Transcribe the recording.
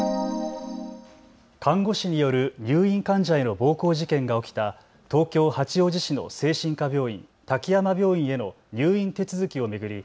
看護師による入院患者への暴行事件が起きた東京八王子市の精神科病院、滝山病院への入院手続きを巡り